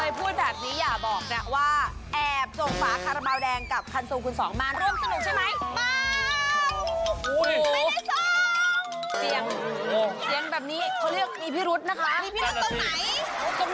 พูดแบบนี้อย่าบอกนะว่าแอบส่งฝาคาราบาลแดงกับคันโซคุณสองมาร่วมสนุกใช่ไหม